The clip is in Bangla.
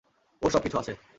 ওর সবকিছু আছে।